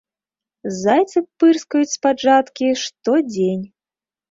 Зайцы пырскаюць з-пад жаткі штодзень.